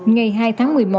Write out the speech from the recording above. ngày hai tháng một mươi một